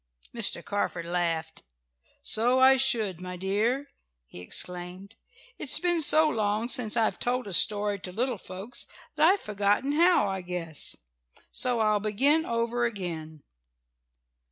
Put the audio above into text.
'" Mr. Carford laughed. "So I should, my dear!" he exclaimed. "It's been so long since I've told a story to little folks that I've forgotten how, I guess. "So I'll begin over again.